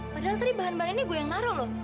padahal tadi bahan bahan ini gue yang naruh loh